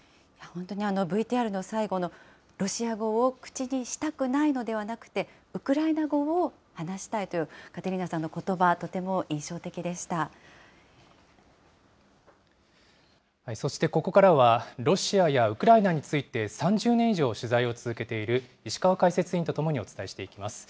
本当にＶＴＲの最後の、ロシア語を口にしたくないのではなくて、ウクライナ語を話したいというカテリーナさんのことば、とてそしてここからは、ロシアやウクライナについて３０年以上取材を続けている石川解説委員と共にお伝えしていきます。